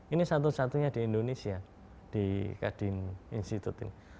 ini satu satunya di indonesia di kadin institute ini